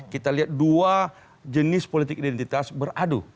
kita lihat dua jenis politik identitas beradu